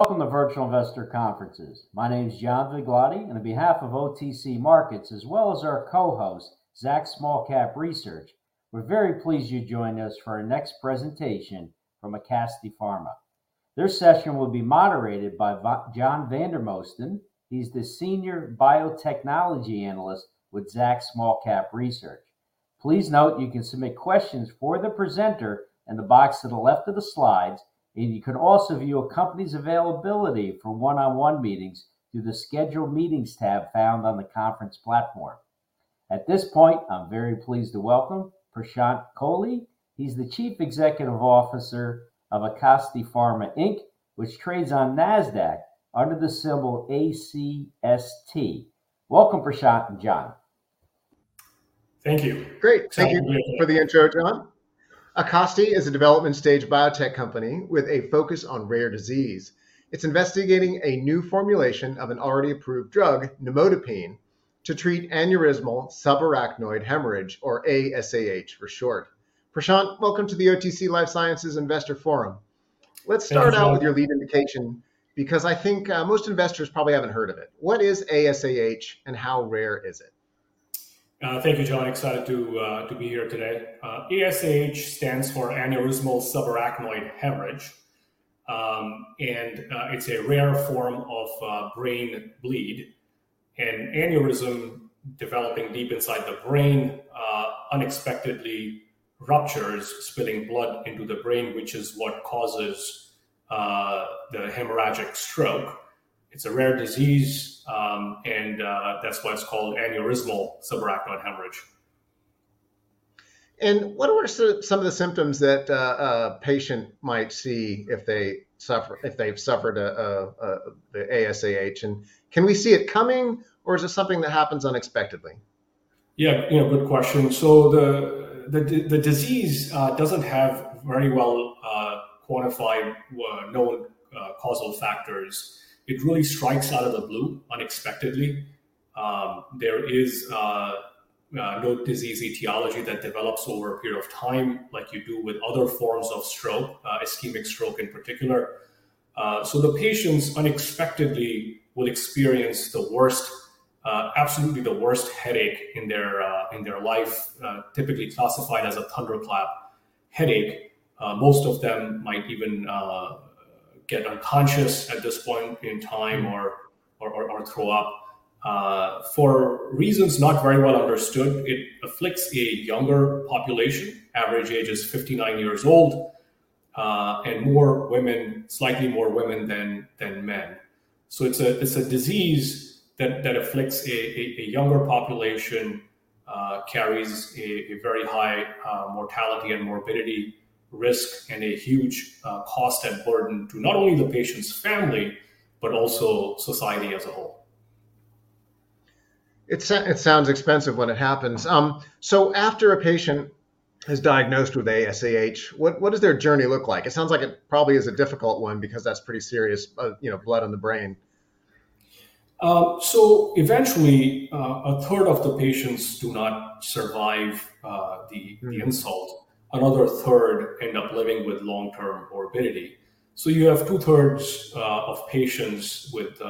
Welcome to Virtual Investor Conferences. My name is John Vigliotti, and on behalf of OTC Markets, as well as our co-host, Zacks Small Cap Research, we're very pleased you joined us for our next presentation from Acasti Pharma. Their session will be moderated by John Vandermosten. He's the senior biotechnology analyst with Zacks Small Cap Research. Please note you can submit questions for the presenter in the box to the left of the slides, and you can also view a company's availability for one-on-one meetings through the Schedule Meetings tab found on the conference platform. At this point, I'm very pleased to welcome Prashant Kohli. He's the Chief Executive Officer of Acasti Pharma, Inc, which trades on NASDAQ under the symbol ACST. Welcome, Prashant and John. Thank you. Great. Thank you for the intro, John. Acasti is a development stage biotech company with a focus on rare disease. It's investigating a new formulation of an already approved drug, nimodipine, to treat aneurysmal subarachnoid hemorrhage, or aSAH for short. Prashant, welcome to the OTC Life Sciences Investor Forum. Thank you, John. Let's start out with your lead indication because I think, most investors probably haven't heard of it. What is aSAH, and how rare is it? Thank you, John. Excited to be here today. aSAH stands for aneurysmal subarachnoid hemorrhage, and it's a rare form of brain bleed. An aneurysm developing deep inside the brain unexpectedly ruptures, spilling blood into the brain, which is what causes the hemorrhagic stroke. It's a rare disease, and that's why it's called aneurysmal subarachnoid hemorrhage. What are some of the symptoms that a patient might see if they've suffered aSAH? Can we see it coming, or is it something that happens unexpectedly? Yeah, yeah, good question. So the disease doesn't have very well quantified known causal factors. It really strikes out of the blue, unexpectedly. There is no disease etiology that develops over a period of time like you do with other forms of stroke, ischemic stroke in particular. So the patients unexpectedly will experience the worst, absolutely the worst headache in their life, typically classified as a thunderclap headache. Most of them might even get unconscious at this point in time or throw up. For reasons not very well understood, it afflicts a younger population. Average age is 59 years old, and more women, slightly more women than men. It's a disease that afflicts a younger population, carries a very high mortality and morbidity risk, and a huge cost and burden to not only the patient's family, but also society as a whole. It sounds expensive when it happens. So after a patient is diagnosed with aSAH, what does their journey look like? It sounds like it probably is a difficult one because that's pretty serious, you know, blood on the brain. So eventually, a 1/3 of the patients do not survive the insult. Mm-hmm. Another third end up living with long-term morbidity. So you have two-thirds of patients with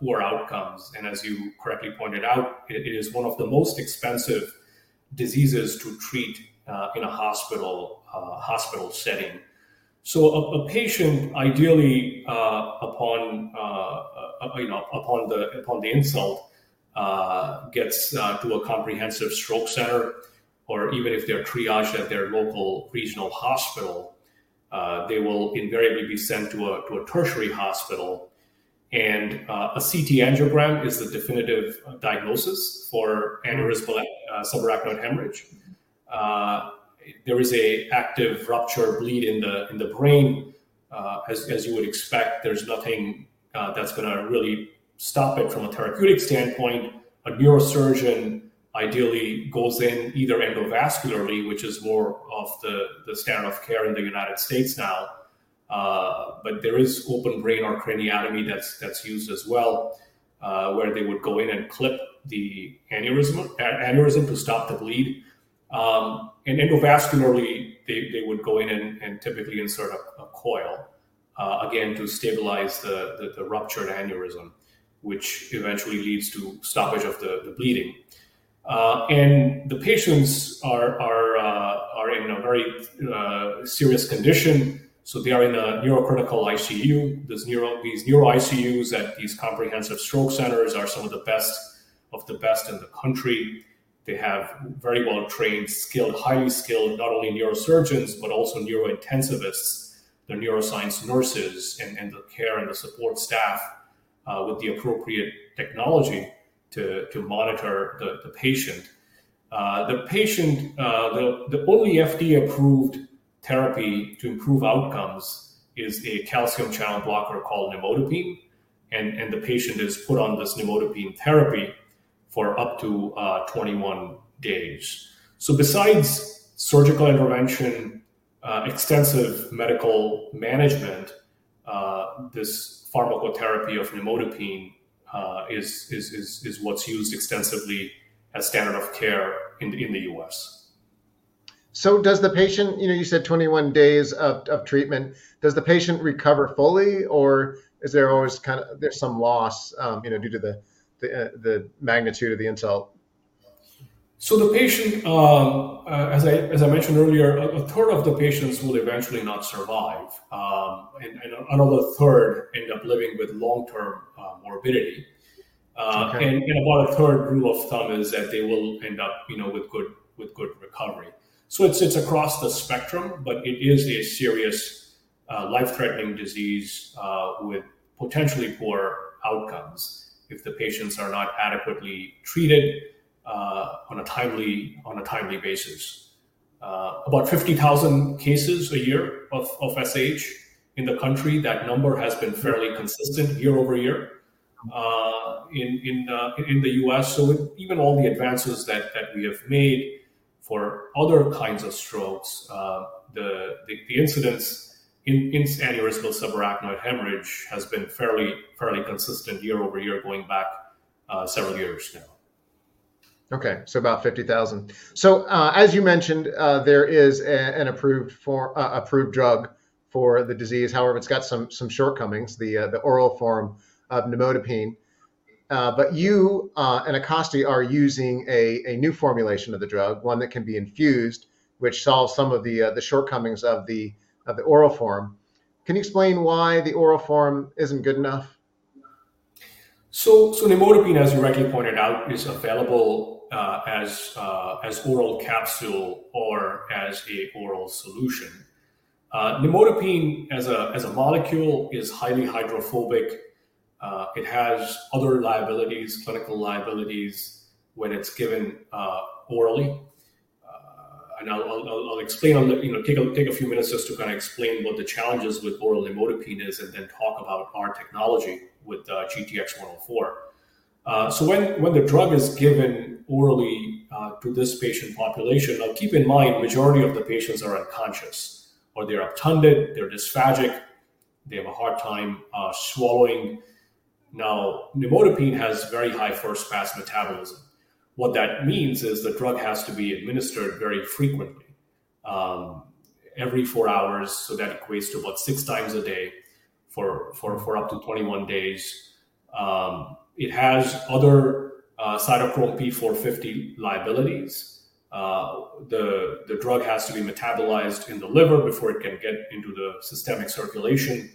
poor outcomes, and as you correctly pointed out, it is one of the most expensive diseases to treat in a hospital setting. So a patient ideally, you know, upon the insult, gets to a comprehensive stroke center, or even if they're triaged at their local regional hospital, they will invariably be sent to a tertiary hospital. And a CT angiogram is the definitive diagnosis for aneurysmal subarachnoid hemorrhage. There is an active rupture bleed in the brain. As you would expect, there's nothing that's gonna really stop it from a therapeutic standpoint. A neurosurgeon ideally goes in either endovascularly, which is more of the standard of care in the United States now, but there is open brain or craniotomy that's used as well, where they would go in and clip the aneurysm to stop the bleed. And endovascularly, they would go in and typically insert a coil, again, to stabilize the ruptured aneurysm, which eventually leads to stoppage of the bleeding. The patients are in a very serious condition, so they are in a neurocritical ICU. These neuro ICUs at these comprehensive stroke centers are some of the best of the best in the country. They have very well-trained, skilled, highly skilled, not only neurosurgeons, but also neurointensivists, the neuroscience nurses, and the care and the support staff with the appropriate technology to monitor the patient. The only FDA-approved therapy to improve outcomes is a calcium channel blocker called nimodipine, and the patient is put on this nimodipine therapy for up to 21 days, so besides surgical intervention, extensive medical management, this pharmacotherapy of nimodipine is what's used extensively as standard of care in the U.S.... So does the patient, you know, you said 21 days of treatment, does the patient recover fully, or is there always kind of, there's some loss, you know, due to the magnitude of the insult? So the patient, as I mentioned earlier, a third of the patients will eventually not survive, and another third end up living with long-term morbidity. Okay. and about a third rule of thumb is that they will end up, you know, with good recovery. So it's across the spectrum, but it is a serious, life-threatening disease, with potentially poor outcomes if the patients are not adequately treated, on a timely basis. About 50,000 cases a year of aSAH in the country. That number has been fairly consistent year-over-year, in the U.S. So even all the advances that we have made for other kinds of strokes, the incidence in aneurysmal subarachnoid hemorrhage has been fairly consistent year-over-year, going back, several years now. Okay, so about fifty thousand. So, as you mentioned, there is an approved drug for the disease. However, it's got some shortcomings, the oral form of nimodipine. But you and Acasti are using a new formulation of the drug, one that can be infused, which solves some of the shortcomings of the oral form. Can you explain why the oral form isn't good enough? So nimodipine, as you rightly pointed out, is available as oral capsule or as an oral solution. Nimodipine, as a molecule, is highly hydrophobic. It has other liabilities, clinical liabilities, when it's given orally. And I'll explain on the... you know, take a few minutes just to kind of explain what the challenges with oral nimodipine is, and then talk about our technology with GTX-104. So when the drug is given orally to this patient population. Now, keep in mind, majority of the patients are unconscious, or they're obtunded, they're dysphagic, they have a hard time swallowing. Now, nimodipine has very high first-pass metabolism. What that means is the drug has to be administered very frequently, every four hours, so that equates to about 6x a day for up to twenty-one days. It has other cytochrome P450 liabilities. The drug has to be metabolized in the liver before it can get into the systemic circulation,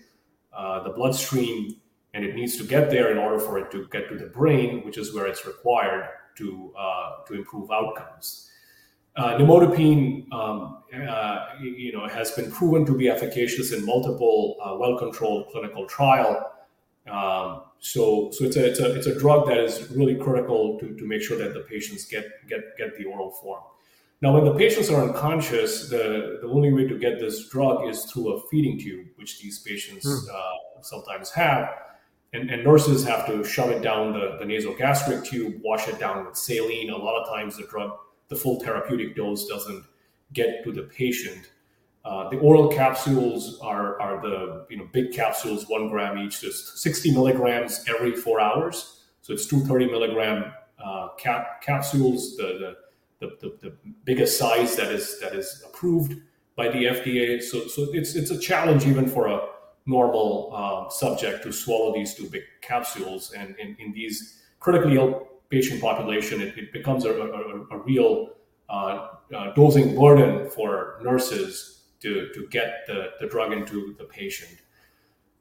the bloodstream, and it needs to get there in order for it to get to the brain, which is where it's required to improve outcomes. Nimodipine, you know, has been proven to be efficacious in multiple well-controlled clinical trial, so it's a drug that is really critical to make sure that the patients get the oral form. Now, when the patients are unconscious, the only way to get this drug is through a feeding tube, which these patients- Hmm... sometimes have. And nurses have to shove it down the nasogastric tube, wash it down with saline. A lot of times, the drug, the full therapeutic dose doesn't get to the patient. The oral capsules are the, you know, big capsules, one gram each, just 60 mg every four hours. So it's two 30-mg capsules, the biggest size that is approved by the FDA. So it's a challenge even for a normal subject to swallow these two big capsules. And in these critically ill patient population, it becomes a real dosing burden for nurses to get the drug into the patient.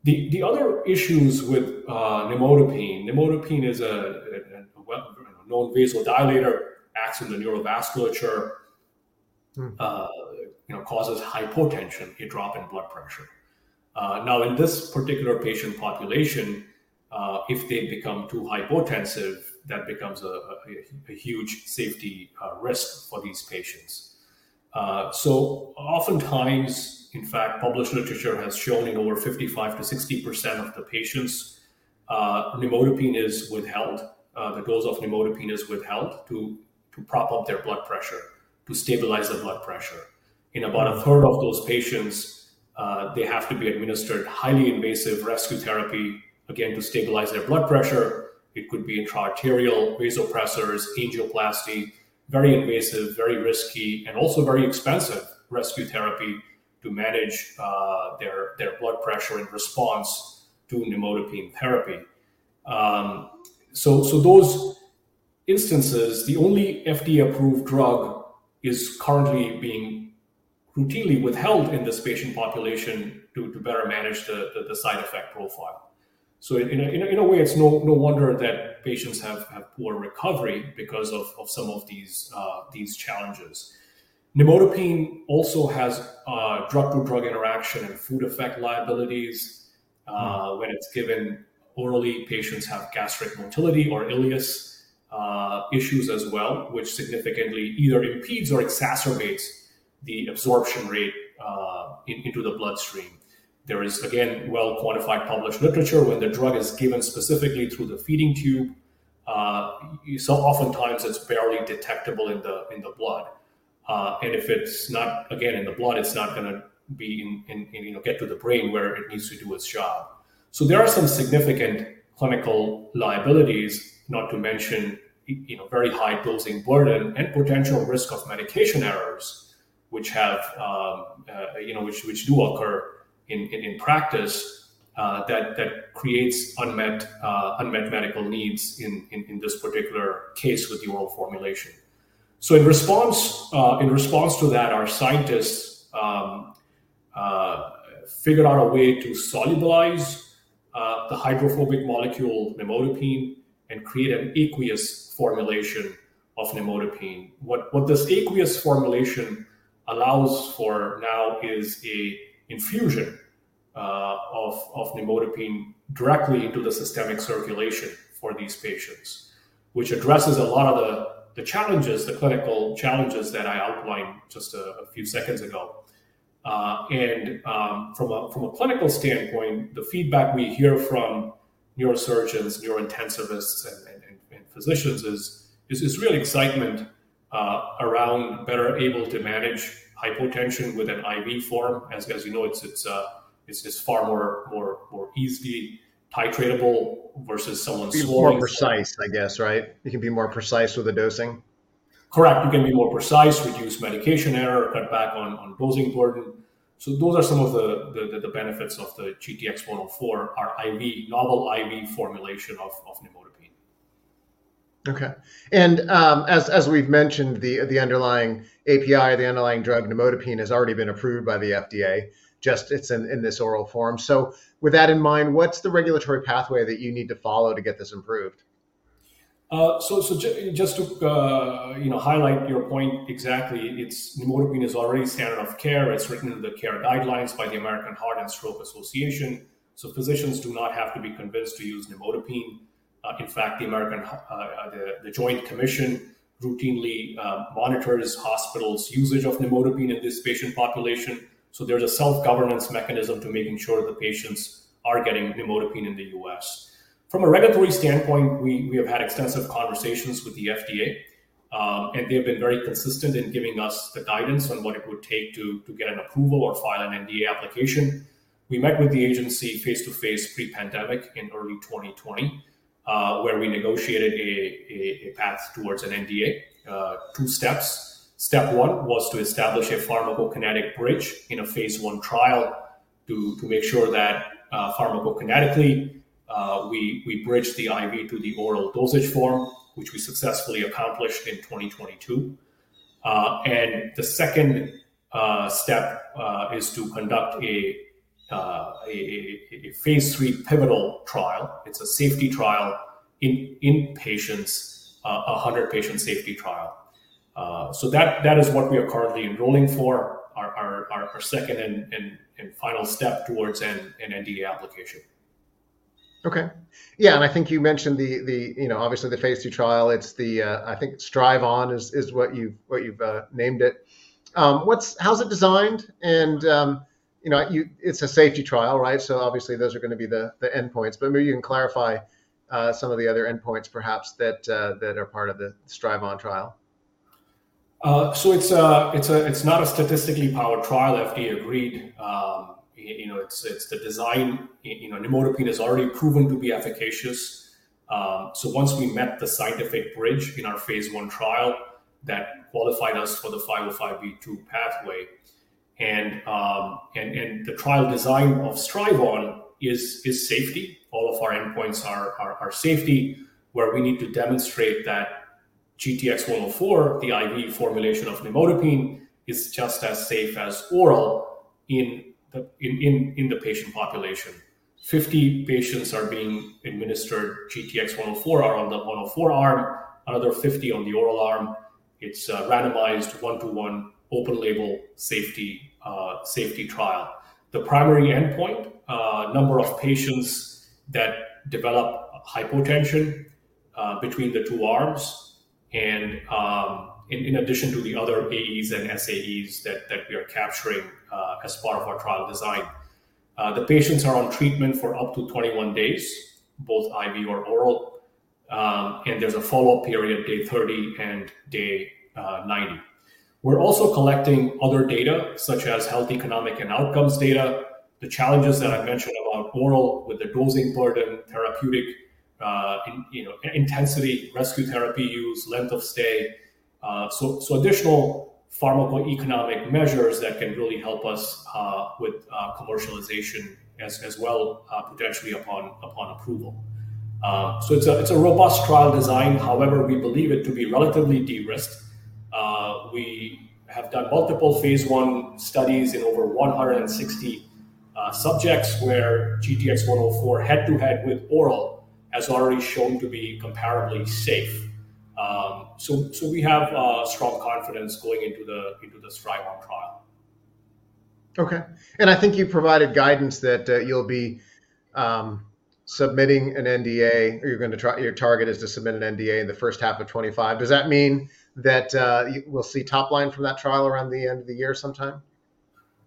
The other issues with nimodipine. Nimodipine is a well-known vasodilator, acts in the neurovasculature- Hmm... you know, causes hypotension, a drop in blood pressure. Now, in this particular patient population, if they become too hypotensive, that becomes a huge safety risk for these patients. So oftentimes, in fact, published literature has shown in over 55%-60% of the patients, nimodipine is withheld. The dose of nimodipine is withheld to prop up their blood pressure, to stabilize the blood pressure. In about a 1/3 of those patients, they have to be administered highly invasive rescue therapy, again, to stabilize their blood pressure. It could be intra-arterial vasopressors, angioplasty, very invasive, very risky, and also very expensive rescue therapy to manage their blood pressure in response to nimodipine therapy. Those instances, the only FDA-approved drug is currently being routinely withheld in this patient population to better manage the side effect profile. In a way, it's no wonder that patients have poor recovery because of some of these challenges. Nimodipine also has drug-to-drug interaction and food effect liabilities. When it's given orally, patients have gastric motility or ileus issues as well, which significantly either impedes or exacerbates the absorption rate into the bloodstream. There is, again, well-quantified published literature. When the drug is given specifically through the feeding tube, you see oftentimes it's barely detectable in the blood. And if it's not, again, in the blood, it's not gonna be in... you know, get to the brain where it needs to do its job. So there are some significant clinical liabilities, not to mention, you know, very high dosing burden and potential risk of medication errors, which have, you know, which do occur in practice, that creates unmet medical needs in this particular case with the oral formulation. So in response to that, our scientists figured out a way to solubilize the hydrophobic molecule, nimodipine, and create an aqueous formulation of nimodipine. What this aqueous formulation allows for now is a infusion of nimodipine directly into the systemic circulation for these patients, which addresses a lot of the challenges, the clinical challenges that I outlined just a few seconds ago. From a clinical standpoint, the feedback we hear from neurosurgeons, neurointensivists, and physicians is real excitement around better able to manage hypotension with an IV form. As you know, it's far more easily titratable versus someone's- Be more precise, I guess, right? You can be more precise with the dosing. Correct. You can be more precise, reduce medication error, cut back on dosing burden. So those are some of the benefits of the GTX-104, our IV, novel IV formulation of nimodipine. Okay. And, as we've mentioned, the underlying API, the underlying drug, nimodipine, has already been approved by the FDA, just it's in this oral form. So with that in mind, what's the regulatory pathway that you need to follow to get this approved? So just to you know highlight your point exactly, it's nimodipine is already standard of care. It's written in the care guidelines by the American Heart and Stroke Association, so physicians do not have to be convinced to use nimodipine. In fact, the Joint Commission routinely monitors hospitals' usage of nimodipine in this patient population, so there's a self-governance mechanism to making sure the patients are getting nimodipine in the U.S. From a regulatory standpoint, we have had extensive conversations with the FDA and they have been very consistent in giving us the guidance on what it would take to get an approval or file an NDA application. We met with the agency face-to-face pre-pandemic in early 2020 where we negotiated a path towards an NDA. Two steps. Step one was to establish a pharmacokinetic bridge in a phase I trial to make sure that pharmacokinetically we bridge the IV to the oral dosage form, which we successfully accomplished in 2022, and the second step is to conduct a phase III pivotal trial. It's a safety trial in patients, a 100-patient safety trial, so that is what we are currently enrolling for, our second and final step towards an NDA application. Okay. Yeah, and I think you mentioned the, you know, obviously, the phase II trial. It's the, I think STRIVE-ON is what you've named it. What's... How is it designed? And, you know, it's a safety trial, right? So obviously, those are gonna be the endpoints, but maybe you can clarify some of the other endpoints, perhaps, that are part of the STRIVE-ON trial. So it's not a statistically powered trial, FDA agreed. You know, it's the design, you know, nimodipine is already proven to be efficacious. So once we met the scientific bridge in our phase I trial, that qualified us for the 505(b)(2) pathway. And the trial design of STRIVE-ON is safety. All of our endpoints are safety, where we need to demonstrate that GTX-104, the IV formulation of nimodipine, is just as safe as oral in the patient population. 50 patients are being administered GTX-104, are on the 104 arm, another 50 on the oral arm. It's a randomized, one-to-one, open-label, safety trial. The primary endpoint, number of patients that develop hypotension, between the two arms, and in addition to the other AEs and SAEs that we are capturing, as part of our trial design. The patients are on treatment for up to 21 days, both IV or oral, and there's a follow-up period, day 30 and day 90. We're also collecting other data, such as health, economic, and outcomes data, the challenges that I mentioned about oral, with the dosing burden, therapeutic intensity, rescue therapy use, length of stay. So additional pharmacoeconomic measures that can really help us with commercialization as well, potentially upon approval. So it's a robust trial design. However, we believe it to be relatively de-risked. We have done multiple phase I studies in over 160 subjects, where GTX-104 head-to-head with oral has already shown to be comparably safe. So we have strong confidence going into the STRIVE-ON trial. Okay. And I think you provided guidance that, you'll be, submitting an NDA, or you're gonna try... Your target is to submit an NDA in the first half of 2025. Does that mean that, you- we'll see top line from that trial around the end of the year sometime?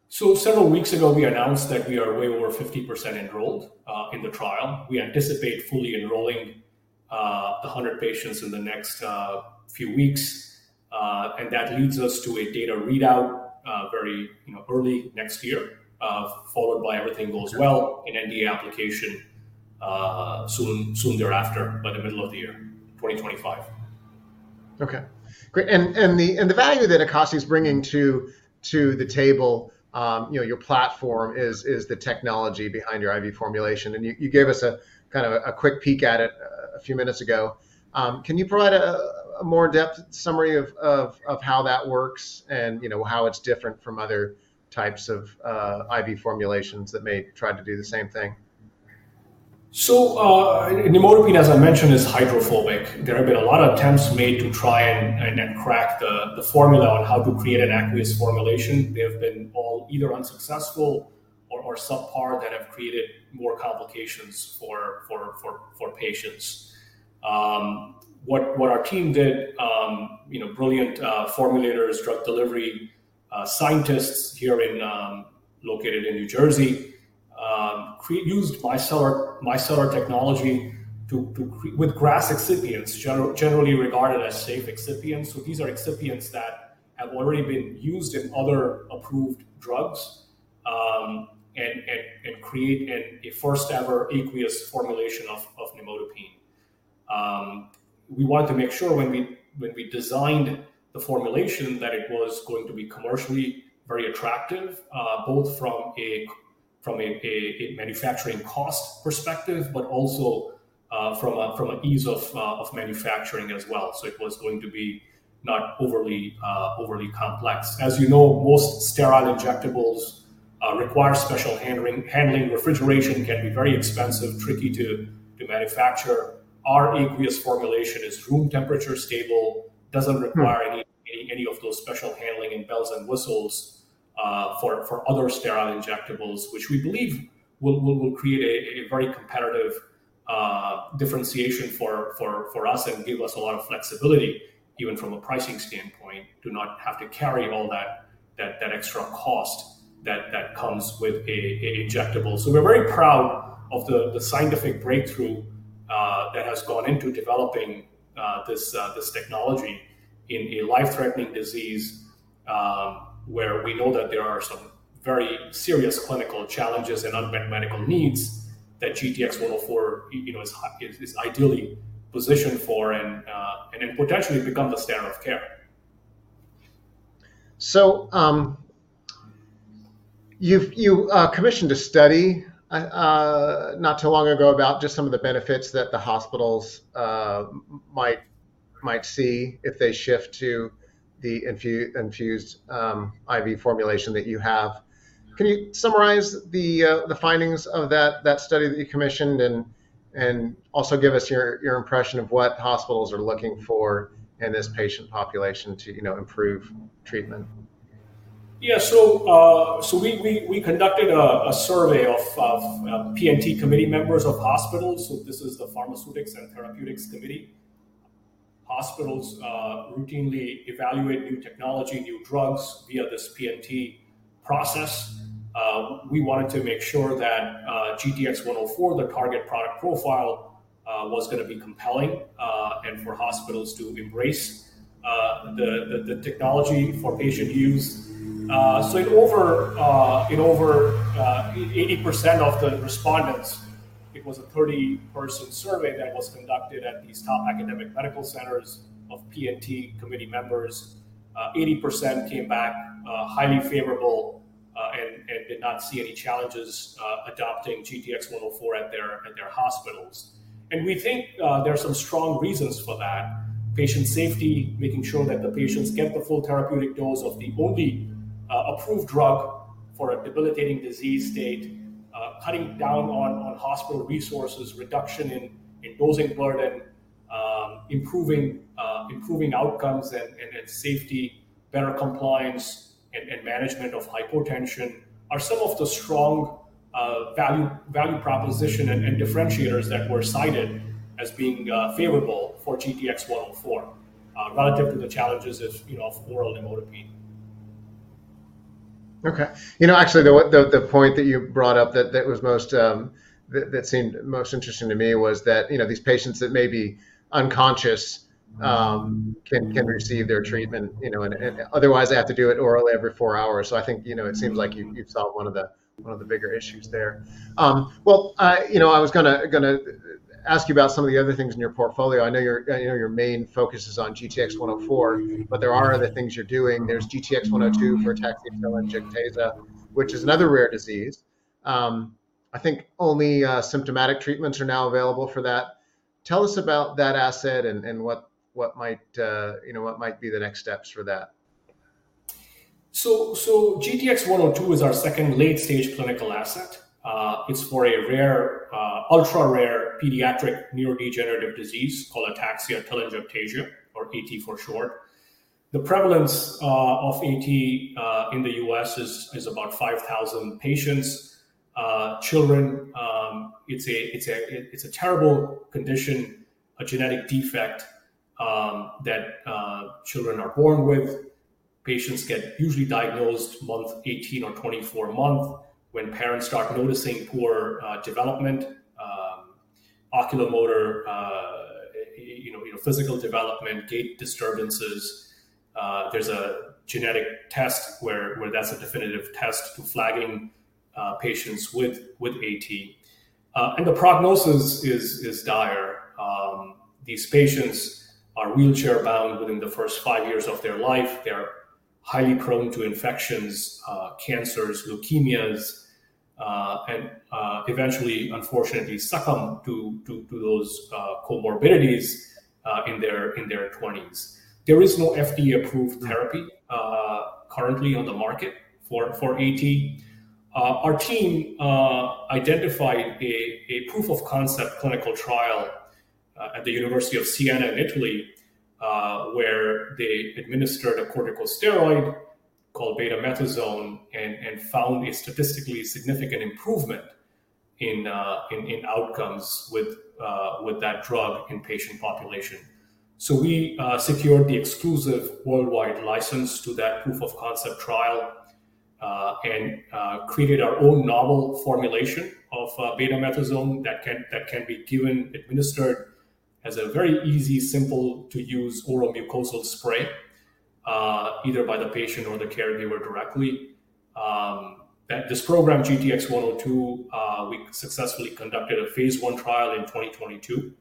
So several weeks ago, we announced that we are way over 50% enrolled in the trial. We anticipate fully enrolling 100 patients in the next few weeks, and that leads us to a data readout very, you know, early next year, followed by, if everything goes well, an NDA application soon, soon thereafter, by the middle of the year, 2025. Okay, great. And the value that Acasti is bringing to the table, you know, your platform is the technology behind your IV formulation, and you gave us a kind of a quick peek at it a few minutes ago. Can you provide a more in-depth summary of how that works and, you know, how it's different from other types of IV formulations that may try to do the same thing? So, nimodipine, as I mentioned, is hydrophobic. There have been a lot of attempts made to try and crack the formula on how to create an aqueous formulation. They have been all either unsuccessful or subpar, that have created more complications for patients. What our team did, you know, brilliant formulators, drug delivery scientists located in New Jersey, created micellar technology with GRAS excipients, generally regarded as safe excipients. So these are excipients that have already been used in other approved drugs, and created a first ever aqueous formulation of nimodipine. We wanted to make sure when we designed the formulation, that it was going to be commercially very attractive, both from a manufacturing cost perspective, but also from a ease of manufacturing as well. So it was going to be not overly complex. As you know, most sterile injectables require special handling. Refrigeration can be very expensive, tricky to manufacture. Our aqueous formulation is room temperature stable, doesn't require- Hmm... any of those special handling and bells and whistles, for other sterile injectables, which we believe will create a very competitive differentiation for us and give us a lot of flexibility, even from a pricing standpoint, to not have to carry all that extra cost that comes with an injectable. So we're very proud of the scientific breakthrough that has gone into developing this technology in a life-threatening disease, where we know that there are some very serious clinical challenges and unmet medical needs that GTX-104, you know, is ideally positioned for and then potentially become the standard of care. You've commissioned a study not too long ago about just some of the benefits that the hospitals might see if they shift to the infused IV formulation that you have. Can you summarize the findings of that study that you commissioned, and also give us your impression of what hospitals are looking for in this patient population to, you know, improve treatment? Yeah. So we conducted a survey of P&T committee members of hospitals. So this is the Pharmacy and Therapeutics Committee. Hospitals routinely evaluate new technology, new drugs, via this P&T process. We wanted to make sure that GTX-104, the target product profile, was gonna be compelling and for hospitals to embrace the technology for patient use. So in over 80% of the respondents, it was a 30-person survey that was conducted at these top academic medical centers of P&T committee members. 80% came back highly favorable and did not see any challenges adopting GTX-104 at their hospitals. And we think there are some strong reasons for that. Patient safety, making sure that the patients get the full therapeutic dose of the only approved drug for a debilitating disease state, cutting down on hospital resources, reduction in dosing burden, improving outcomes and safety, better compliance, and management of hypotension, are some of the strong value proposition and differentiators that were cited as being favorable for GTX-104 relative to the challenges of, you know, oral nimodipine. Okay. You know, actually, the point that you brought up that was most interesting to me was that, you know, these patients that may be unconscious can- Mm-hmm... can receive their treatment, you know, and otherwise, they have to do it orally every four hours. So I think, you know, it seems like you- Mm-hmm... you've solved one of the bigger issues there. Well, you know, I was gonna ask you about some of the other things in your portfolio. I know your main focus is on GTX-104, but there are other things you're doing. There's GTX-102 for ataxia telangiectasia, which is another rare disease. I think only symptomatic treatments are now available for that. Tell us about that asset and what might, you know, be the next steps for that. GTX-102 is our second late-stage clinical asset. It's for a rare, ultra-rare pediatric neurodegenerative disease called ataxia telangiectasia, or A-T for short. The prevalence of A-T in the U.S. is about 5,000 patients, children. It's a terrible condition, a genetic defect that children are born with. Patients get usually diagnosed month eighteen or twenty-four month, when parents start noticing poor development, oculomotor, you know, physical development, gait disturbances. There's a genetic test where that's a definitive test for flagging patients with A-T. And the prognosis is dire. These patients are wheelchair-bound within the first five years of their life. They're highly prone to infections, cancers, leukemias, and eventually, unfortunately, succumb to those comorbidities in their twenties. There is no FDA-approved therapy currently on the market for A-T. Our team identified a proof of concept clinical trial at the University of Siena in Italy, where they administered a corticosteroid called betamethasone and found a statistically significant improvement in outcomes with that drug in patient population. So we secured the exclusive worldwide license to that proof of concept trial and created our own novel formulation of betamethasone that can be given, administered as a very easy, simple-to-use oral mucosal spray, either by the patient or the caregiver directly. And this program, GTX-102, we successfully conducted a phase I trial in 2022,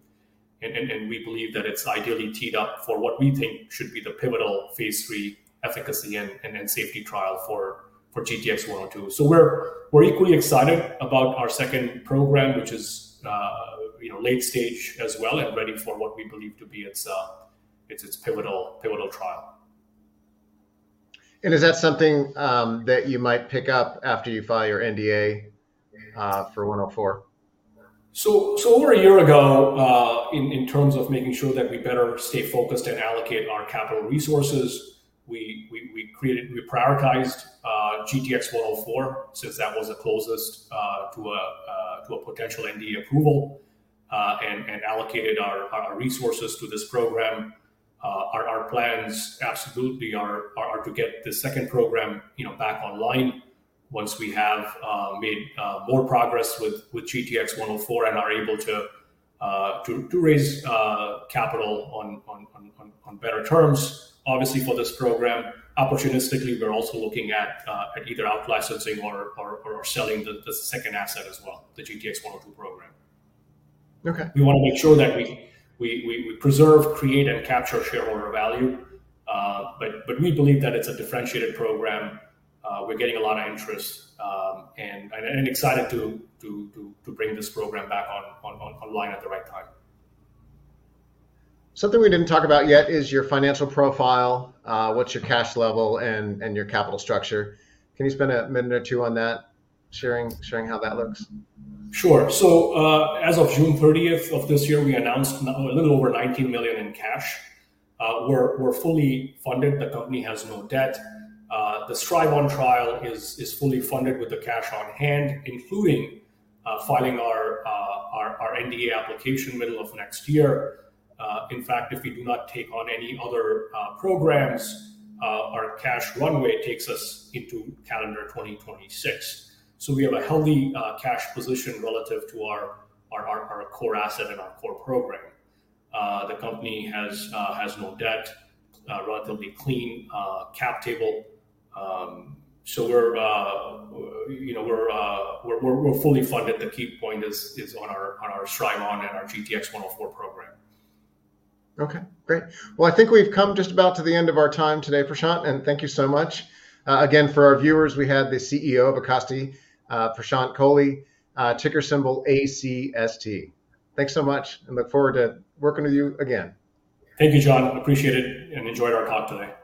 and we believe that it's ideally teed up for what we think should be the pivotal phase III efficacy and then safety trial for GTX-102. So we're equally excited about our second program, which is, you know, late stage as well and ready for what we believe to be its pivotal trial. Is that something that you might pick up after you file your NDA for GTX-104? So over a year ago, in terms of making sure that we better stay focused and allocate our capital resources, we prioritized GTX-104 since that was the closest to a potential NDA approval, and allocated our resources to this program. Our plans absolutely are to get the second program, you know, back online once we have made more progress with GTX-104 and are able to raise capital on better terms. Obviously, for this program, opportunistically, we're also looking at either outlicensing or selling the second asset as well, the GTX-102 program. Okay. We want to make sure that we preserve, create, and capture shareholder value, but we believe that it's a differentiated program. We're getting a lot of interest and excited to bring this program back online at the right time. Something we didn't talk about yet is your financial profile, what's your cash level and your capital structure. Can you spend one minute or two on that, sharing how that looks? Sure. So, as of June thirtieth of this year, we announced a little over $19 million in cash. We're fully funded. The company has no debt. The STRIVE-ON trial is fully funded with the cash on hand, including filing our NDA application middle of next year. In fact, if we do not take on any other programs, our cash runway takes us into calendar 2026. So we have a healthy cash position relative to our core asset and our core program. The company has no debt, a relatively clean cap table. So we're, you know, we're fully funded. The key point is on our STRIVE-ON and our GTX-104 program. Okay, great. Well, I think we've come just about to the end of our time today, Prashant, and thank you so much. Again, for our viewers, we had the CEO of Acasti, Prashant Kohli, ticker symbol ACST. Thanks so much, and look forward to working with you again. Thank you, John. Appreciate it, and enjoyed our talk today.